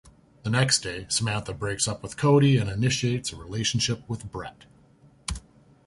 The next day, Samantha breaks up with Cody and initiates a relationship with Brett.